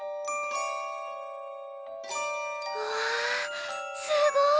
うわすごい！